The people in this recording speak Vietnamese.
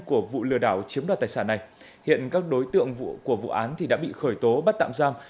của vụ lừa đảo chiếm đoạt tài sản này hiện các đối tượng của vụ án đã bị khởi tố bắt tạm giam